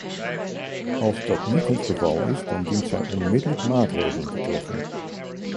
Als dat niet het geval is dan dient zij onmiddellijk maatregelen te treffen.